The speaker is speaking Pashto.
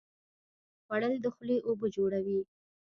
خوړل د خولې اوبه جوړوي